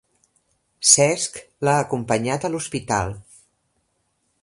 Cesc l'ha acompanyat a l'hospital.